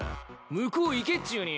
向こう行けっちゅうに。